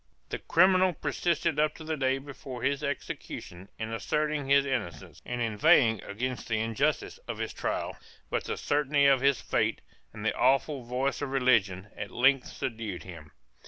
The criminal persisted up to the day before his execution in asserting his innocence, and inveighing against the injustice of his trial, but the certainty of his fate, and the awful voice of religion, at length subdued him.